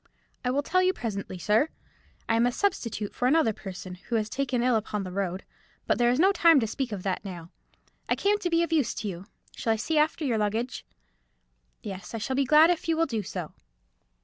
"I will tell you presently, sir. I am a substitute for another person, who was taken ill upon the road. But there is no time to speak of that now. I came to be of use to you. Shall I see after your luggage?" "Yes, I shall be glad if you will do so."